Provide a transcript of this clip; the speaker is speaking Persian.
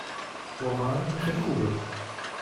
واقعاً؟ این خیلی خوبه